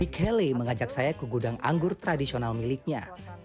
michele mengajak saya ke gudang anggur tradisional miliknya